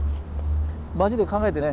マジで考えてね。